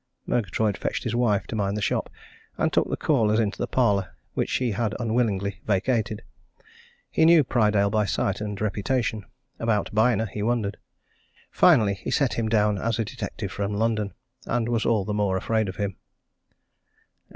Murgatroyd fetched his wife to mind the shop, and took the callers into the parlour which she had unwillingly vacated. He knew Prydale by sight and reputation; about Byner he wondered. Finally he set him down as a detective from London and was all the more afraid of him.